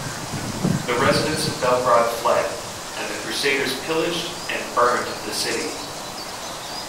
The residents of Belgrade fled, and the crusaders pillaged and burned the city.